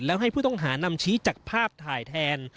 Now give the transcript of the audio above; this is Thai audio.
แล้วให้ผู้ต้องหานำชี้จากภาพถ่ายแทน